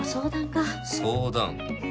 相談？